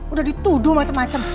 udah dituduh macem macem